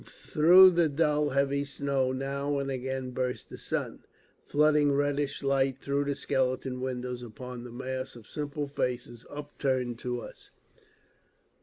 Through the dull, heavy sky now and again burst the sun, flooding reddish light through the skeleton windows upon the mass of simple faces upturned to us.